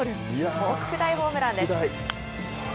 特大ホームランです。